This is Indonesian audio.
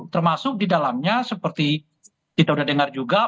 termasuk di dalamnya seperti kita sudah dengar juga